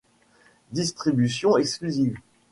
Distribution Exclusive.